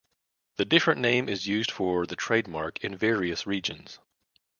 The different name is used for the trademark in various regions.